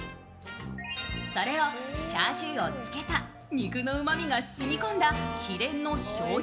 それをチャーシューを漬けた肉のうまみが染みこんだ秘伝のしょうゆ